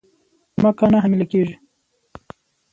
مځکه نه حامله کیږې